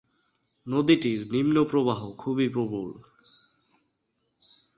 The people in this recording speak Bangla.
নদীটির নিম্ন প্রবাহ খুবই প্রবল।